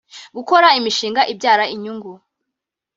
gukora imishinga ibyara inyungu